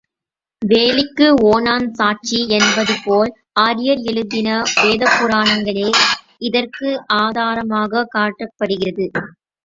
வேலிக்கு ஓணான் சாட்சி என்பதுபோல் ஆரியர் எழுதின வேத புராணங்களே இதற்கு ஆதாரமாகக் காட்டப்படுகிறது.